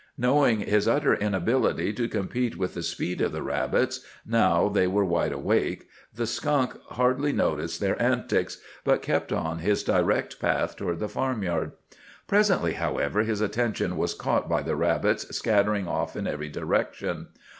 Knowing his utter inability to compete with the speed of the rabbits, now they were wide awake, the skunk hardly noticed their antics, but kept on his direct path toward the farmyard. Presently, however, his attention was caught by the rabbits scattering off in every direction.